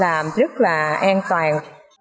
làm rất là an toàn